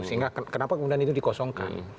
sehingga kenapa kemudian itu dikosongkan